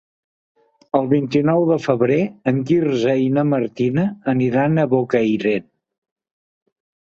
El vint-i-nou de febrer en Quirze i na Martina aniran a Bocairent.